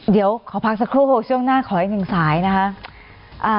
เดี๋ยวขอพักสักครู่ช่วงหน้าขออีกหนึ่งสายนะคะ